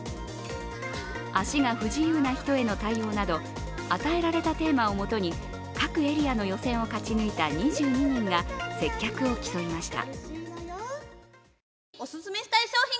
足が不自由な人への対応など与えられたテーマをもとに各エリアの予選を勝ち抜いた２２人が接客を競いました。